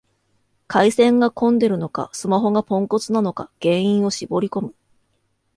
回線が混んでるのか、スマホがポンコツなのか原因を絞りこむ